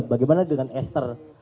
bagaimana dengan ester